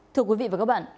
thưa quý vị và các bạn